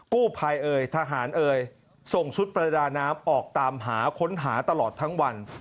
กู้ภัยเอ่ยทหารเอ่ยส่งชุดประดาน้ำออกตามหาค้นหาตลอดทั้งวัน